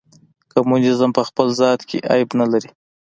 کمونیزم په خپل ذات کې عیب نه لري.